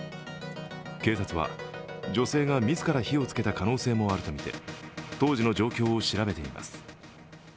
警察は、女性が自ら火をつけた可能性もあるとみて当時の状況を調べています。